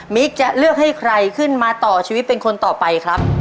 จะเลือกให้ใครขึ้นมาต่อชีวิตเป็นคนต่อไปครับ